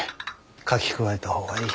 書き加えた方がいい。